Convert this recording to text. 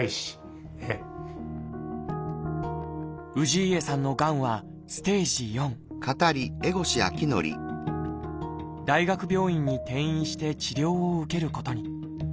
氏家さんのがんは大学病院に転院して治療を受けることに。